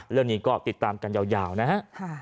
เรื่องนี้ก็ติดตามกันยาวนะฮะ